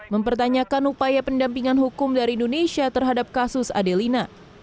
mempertanyakan upaya pendampingan hukum dari indonesia terhadap kasus adelina